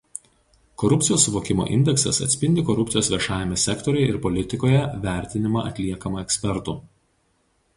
Korupcijos suvokimo indeksas atspindi korupcijos viešajame sektoriuje ir politikoje vertinimą atliekamą ekspertų.